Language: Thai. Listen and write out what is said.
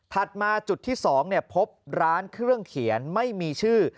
มาจุดที่๒พบร้านเครื่องเขียนไม่มีชื่อ